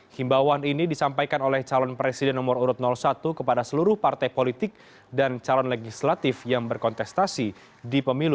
himbawan ini disampaikan oleh calon presiden nomor urut satu kepada seluruh partai politik dan calon legislatif yang berkontestasi di pemilu dua ribu sembilan belas